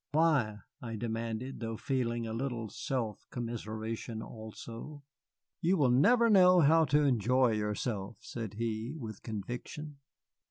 "Why?" I demanded, though feeling a little self commiseration also. "You will never know how to enjoy yourself," said he, with conviction.